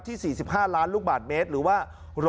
๔๕ล้านลูกบาทเมตรหรือว่า๑๐๐